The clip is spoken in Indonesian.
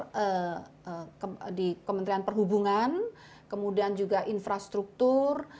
kemudian di kementerian perhubungan kemudian juga infrastruktur